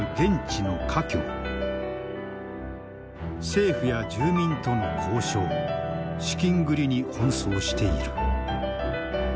政府や住民との交渉資金繰りに奔走している。